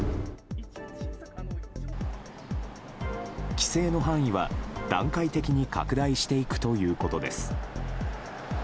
規制の範囲は段階的に拡大していくということです。